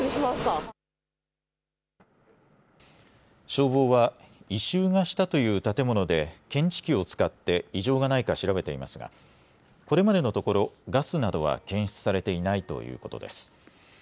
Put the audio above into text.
消防は異臭がしたという建物で検知器を使って異常がないか調べていますがこれまでのところガスなどは検出されていないということです。